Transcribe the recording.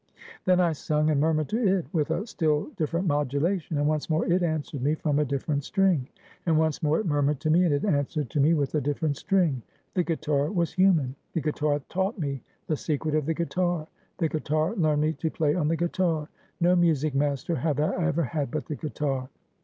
Then I sung and murmured to it with a still different modulation; and once more it answered me from a different string; and once more it murmured to me, and it answered to me with a different string. The guitar was human; the guitar taught me the secret of the guitar; the guitar learned me to play on the guitar. No music master have I ever had but the guitar.